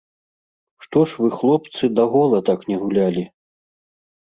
Што ж вы, хлопцы, да гола так не гулялі?